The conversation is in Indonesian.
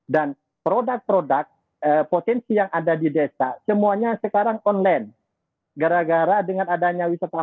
dan produk produk potensi yang ada di desa semuanya sekarang online gara gara dengan adanya wisata